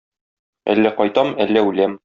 Әллә кайтам, әллә үләм.